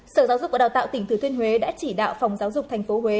sở giáo dục và đào tạo tỉnh thừa thuyên huế đã chỉ đạo phòng giáo dục thành phố huế